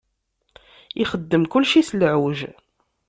Ixeddem kulci s lɛuj.